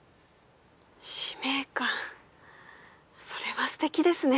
使命感それはステキですね。